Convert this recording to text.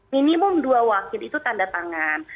minimum dua wakil itu tanda tangan